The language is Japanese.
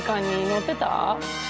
載ってた？